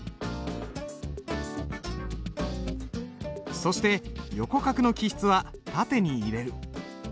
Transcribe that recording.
そして横画の起筆は縦に入れる。